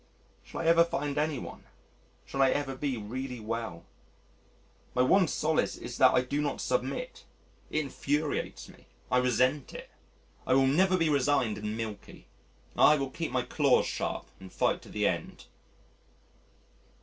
Shall I ever find any one? Shall I ever be really well? My one solace is that I do not submit, it infuriates me, I resent it; I will never be resigned and milky. I will keep my claws sharp and fight to the end.